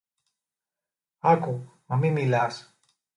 Άκου, μα μη μιλάς.